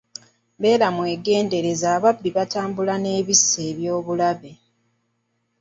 Beera mwegendereze ababbi batambula n'ebissi eb'obulabe.